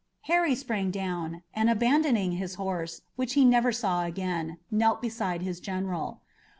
Harry sprang down, and abandoning his horse, which he never saw again, knelt beside his general.